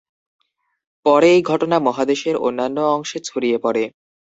পরে এই ঘটনা মহাদেশের অন্যান্য অংশে ছড়িয়ে পড়ে।